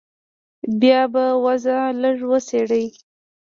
بيا به وضع لږه وڅېړې.